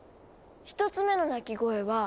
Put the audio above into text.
１つ目の鳴き声は。